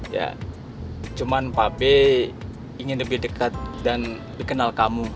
ya cuma pak be ingin lebih dekat dan dikenal kamu